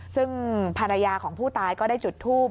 ซึ่งภรรยาของผู้ตายก็ได้จุดทูบ